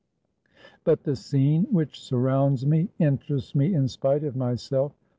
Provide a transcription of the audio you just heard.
But the scene which surrounds me interests me in spite of myself.